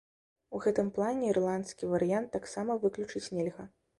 У гэтым плане ірландскі варыянт таксама выключыць нельга.